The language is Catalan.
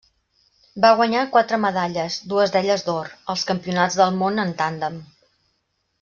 Va guanyar quatre medalles, dues d'elles d'or, als Campionats del món en tàndem.